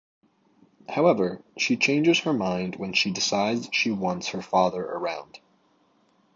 However, she changes her mind when she decides she wants her father around.